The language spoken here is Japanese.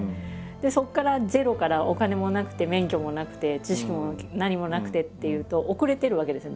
そこからゼロからお金もなくて免許もなくて知識も何もなくてっていうと遅れてるわけですよね。